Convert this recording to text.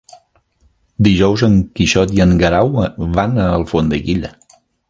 Dijous en Quixot i en Guerau van a Alfondeguilla.